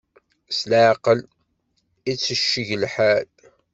S leɛqel, ittecceg lḥal!